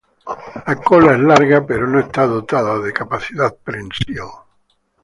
La cola es larga pero no está dotada de capacidad prensil.